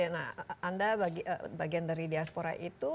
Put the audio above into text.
nah anda bagian dari diaspora itu